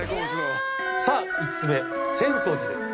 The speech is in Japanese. さあ５つ目浅草寺です。